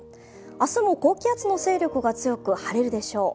明日も高気圧の勢力が強く晴れるでしょう。